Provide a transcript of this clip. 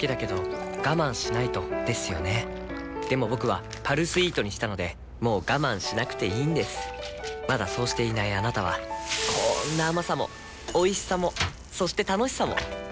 僕は「パルスイート」にしたのでもう我慢しなくていいんですまだそうしていないあなたはこんな甘さもおいしさもそして楽しさもあちっ。